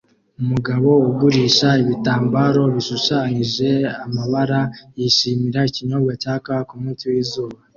Umugabo ugurisha ibitambaro bishushanyije amabara yishimira ikinyobwa cya kawa kumunsi wizuba